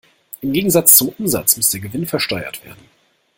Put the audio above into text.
Im Gegensatz zum Umsatz muss der Gewinn versteuert werden.